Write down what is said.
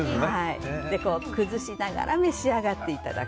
崩しながら召し上がっていただく。